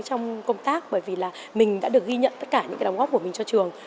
trong công tác bởi vì là mình đã được ghi nhận tất cả những cái đóng góp của mình cho trường